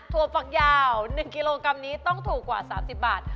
ฝักยาว๑กิโลกรัมนี้ต้องถูกกว่า๓๐บาท